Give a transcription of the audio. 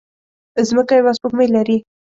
ځمکه يوه سپوږمۍ لري